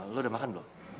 lo udah makan belum